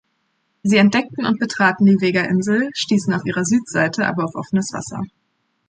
Sie entdeckten und betraten die Vega-Insel, stießen auf ihrer Südseite aber auf offenes Wasser.